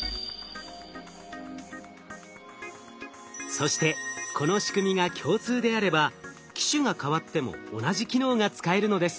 そしてこの仕組みが共通であれば機種が変わっても同じ機能が使えるのです。